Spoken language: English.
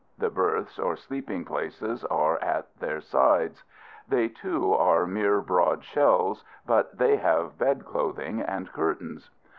The berths or sleeping places are at their sides. They, too, are mere broad shelves, but they have bed clothing and curtains.